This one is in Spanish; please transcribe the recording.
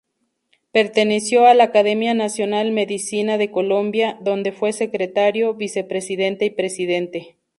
Perteneció a la Academia Nacional Medicina de Colombia, donde fue secretario, vicepresidente y presidente.